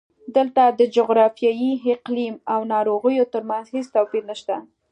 دلته د جغرافیې، اقلیم او ناروغیو ترمنځ هېڅ توپیر نشته.